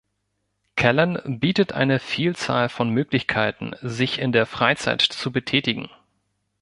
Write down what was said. Kellen bietet eine Vielzahl von Möglichkeiten sich in der Freizeit zu betätigen.